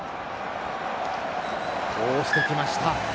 通してきました。